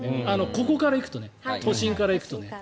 ここから行くと都心から行くとね。